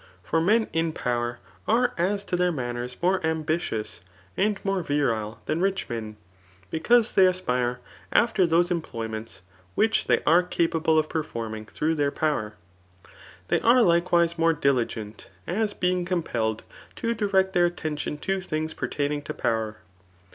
For men in power are as to thdr manners more ambitious and more virile than rich men, because they aspire after those employ ments which they are capable of performing through their power. They are likewise more diligent, as being compelled to direct their attention to things pertaining to power.